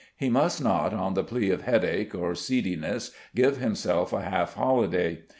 He must not, on the plea of headache or seediness, give himself a half holiday.